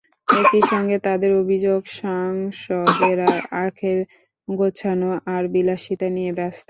একই সঙ্গে তাঁদের অভিযোগ, সাংসদেরা আখের গোছানো আর বিলাসিতা নিয়ে ব্যস্ত।